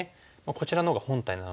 こちらのほうが本体なので。